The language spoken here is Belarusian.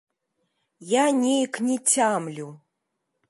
Я неяк не цямлю.